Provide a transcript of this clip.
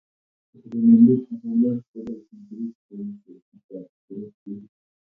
Urerenindet nebo golf koboishieen tuguuk cheuu setitab kirokweek